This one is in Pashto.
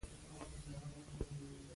له احمقانو سره له نښتې پرته دوام ورکړي.